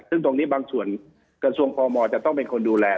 ซึ่งตรงนี้บางส่วนกระทรวงพมจะต้องเป็นคนดูแล